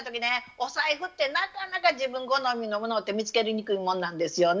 お財布ってなかなか自分好みのものって見つけにくいもんなんですよね。